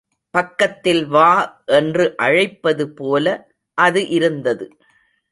பக்கத்தில் வா என்று அழைப்பது போல அது இருந்தது.